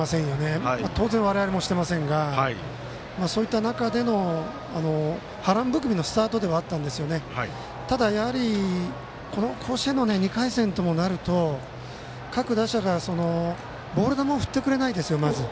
当然、我々もしてませんがそういった中での波乱含みのスタートではあったんですがただ、甲子園の２回戦ともなると各打者が、ボール球を振ってくれないですよ、まず。